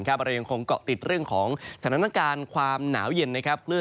เรายังคงเกาะติดเรื่องของสถานการณ์ความหนาวเย็นนะครับ